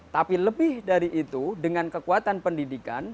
tapi lebih dari itu dengan kekuatan pendidikan